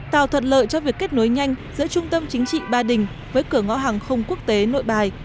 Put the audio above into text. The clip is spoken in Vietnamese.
tạo thuận lợi cho việc kết nối nhanh giữa trung tâm chính trị ba đình với cửa ngõ hàng không quốc tế nội bài